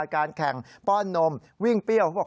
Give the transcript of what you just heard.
การแข่งป้อนนมวิ่งเปรี้ยว